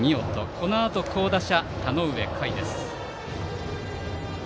このあと好打者、田上夏衣です。